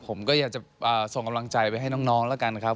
ผมก็อยากจะส่งกำลังใจไปให้น้องแล้วกันครับ